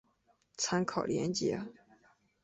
参考连结